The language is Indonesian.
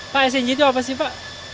pak sng itu apa sih pak